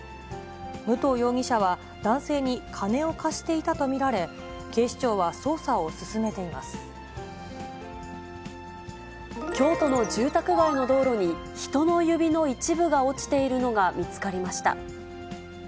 武藤容疑者は男性に金を貸していたと見られ、警視庁は捜査を進め京都の住宅街の道路に、人の指の一部が落ちているのが見つかりました。